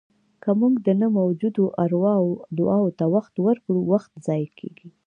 که موږ د نه موجودو ارواوو دعاوو ته وخت ورکړو، وخت ضایع کېږي.